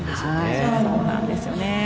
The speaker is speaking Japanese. そうなんですよね。